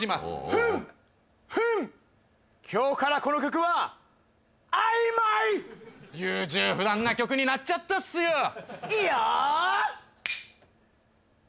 ふんっふんっ今日からこの曲は「あいまい」優柔不断な曲になっちゃったっすよいよーっ